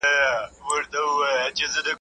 بس که نیکه دا د جنګونو کیسې!.